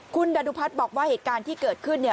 คุณดันดุพัทย์บอกว่าเหตุการณ์ที่เกิดขึ้น